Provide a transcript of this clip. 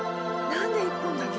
何で１本だけ？